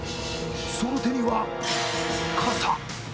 その手には傘。